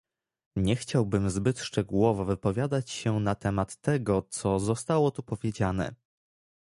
Nie chciałbym zbyt szczegółowo wypowiadać się na temat tego, co zostało tu powiedziane